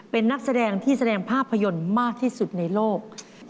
เป็นนักแสดงที่แสดงภาพยนตร์มากที่สุดในโลก